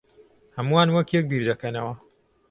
ھەمووان وەک یەک بیردەکەنەوە.